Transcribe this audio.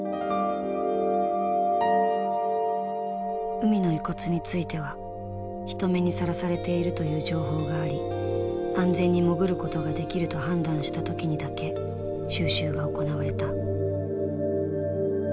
海の遺骨については人目にさらされているという情報があり安全に潜ることができると判断した時にだけ収集が行われた。